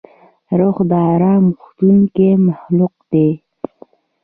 روح د آرام غوښتونکی مخلوق دی.